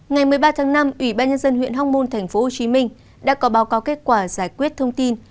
ngày một mươi ba tháng năm ủy ban nhân dân huyện hóc môn tp hcm đã có báo cáo kết quả giải quyết thông tin